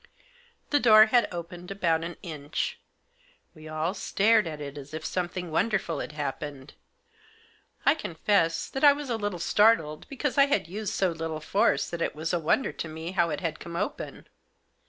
The door had opened about an inch. We all stared at it as if something wonderful had happened. I confess that I was a little startled, because I had used so little force that it was a wonder to me how it had come open.